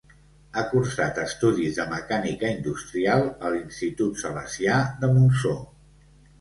Ha cursat estudis de Mecànica Industrial a l'institut Salesià de Montsó.